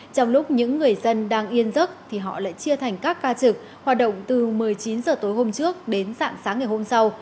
trong lúc những người dân đang yên giấc thì họ lại chia thành các ca trực hoạt động từ một mươi chín h tối hôm trước đến dạng sáng ngày hôm sau